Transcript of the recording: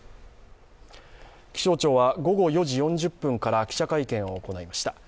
気象庁は午後４時４０分から記者会見を行いました。